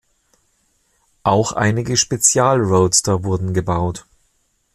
Auch einige Spezial-Roadster wurden gebaut.